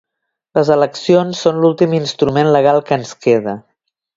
Les eleccions són l’últim instrument legal que ens queda